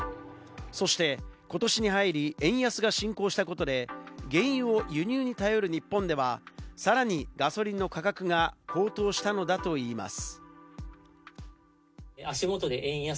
そして、今年に入り円安が進行したことで、原油を輸入に頼る日本ではさらにガソリンの価格が高騰したのだといいます。